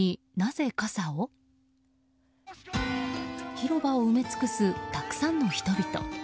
広場を埋め尽くすたくさんの人々。